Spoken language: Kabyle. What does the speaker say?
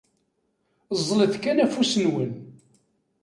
Ẓẓlet kan afus-nwen!